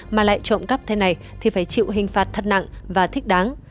mà lại trộm cắp thế này thì phải chịu hình phạt thật nặng và thích đáng